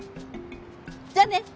じゃあね！